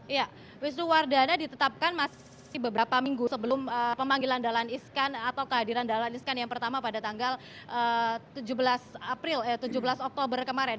iya wisnu wardana ditetapkan masih beberapa minggu sebelum pemanggilan dahlan iskan atau kehadiran dahlan iskan yang pertama pada tanggal tujuh belas oktober kemarin